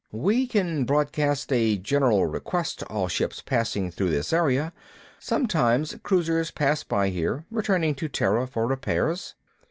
"We can broadcast a general request to all ships passing through this area. Sometimes cruisers pass by here returning to Terra for repairs."